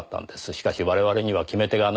しかし我々には決め手がない。